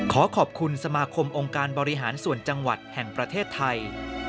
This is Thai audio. ขอขอบคุณสมาคมองค์การบริหารส่วนจังหวัดแห่งประเทศไทย